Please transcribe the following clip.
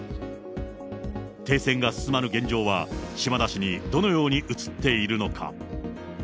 停戦が進まぬ現状は、島田氏にどのように映っているのか。